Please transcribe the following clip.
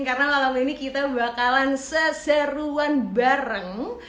karena malam ini kita bakalan seseruan bareng